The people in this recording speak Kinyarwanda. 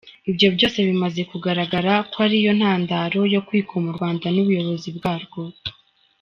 Ibyo byose bimaze kugaragara ko ariyo ntandaro yo kwikoma U Rwanda n’ubuyobozi bwarwo.